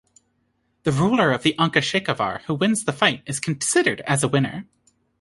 The ruler of the "Ankachekavar" who wins the fight is considered as a winner.